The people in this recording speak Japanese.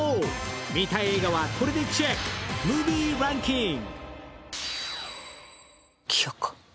見たい映画はこれでチェック、ムービーランキング。